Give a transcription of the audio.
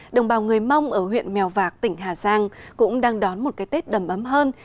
đồng bào người mông ở huyện mèo vạc tỉnh hà giang cũng đang đón một cái tết đầm ấm hơn